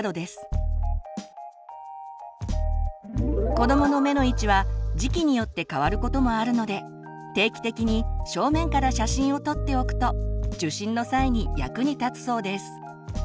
子どもの目の位置は時期によって変わることもあるので定期的に正面から写真を撮っておくと受診の際に役に立つそうです。